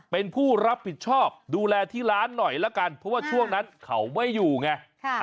เป็นผู้รับผิดชอบดูแลที่ร้านหน่อยละกันเพราะว่าช่วงนั้นเขาไม่อยู่ไง